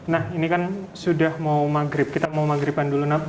nah ini kan sudah mau maghrib kita mau maghriban dulu nab